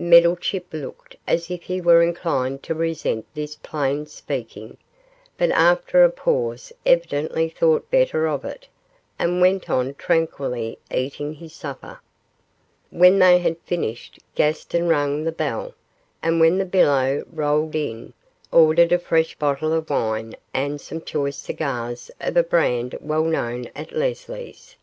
Meddlechip looked as if he were inclined to resent this plain speaking, but after a pause evidently thought better of it, and went on tranquilly eating his supper. When they had finished Gaston rang the bell, and when the billow rolled in, ordered a fresh bottle of wine and some choice cigars of a brand well known at Leslie's.